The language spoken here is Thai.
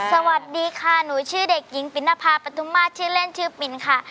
สวัสดีค่ะหนูชื่อเด็กหญิงปินนภาปทุมาตรชื่อเล่นชื่อปินค่ะ